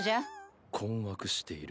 困惑している。